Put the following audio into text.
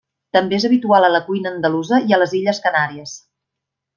També és habitual a la cuina andalusa i a les illes Canàries.